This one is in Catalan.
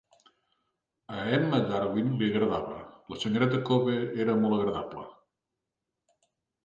A Emma Darwin li agradava, la senyoreta Cobbe era molt agradable.